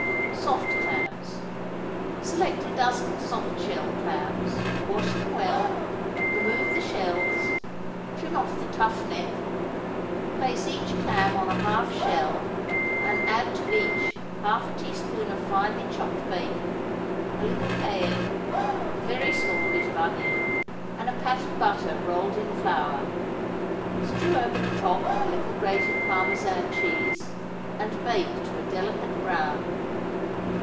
=Soft Clams.= Select a dozen soft shell clams; wash them well; remove the shells; trim off the tough neck; place each clam on a half shell, and add to each half a teaspoonful of finely chopped bacon, a little cayenne, a very small bit of onion, and a pat of butter rolled in flour; strew over the top a little grated Parmesan cheese, and bake to a delicate brown.